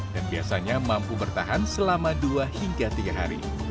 dan biasanya mampu bertahan selama dua hingga tiga hari